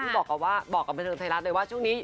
บอกกับผู้ชมไทยรัฐเลยว่าช่วงนี้